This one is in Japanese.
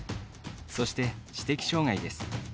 そして知的障がいです。